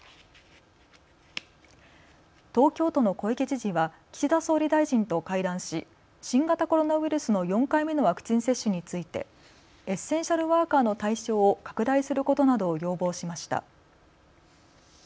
東京都の小池知事は岸田総理大臣と会談し新型コロナウイルスの４回目のワクチン接種についてエッセンシャルワーカーの対象を拡大することなどを要望しました。